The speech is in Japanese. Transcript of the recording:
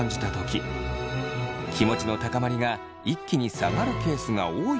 気持ちの高まりが一気に下がるケースが多いといいます。